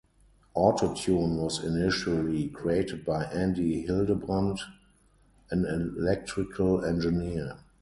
Auto-Tune was initially created by Andy Hildebrand, an electrical engineer.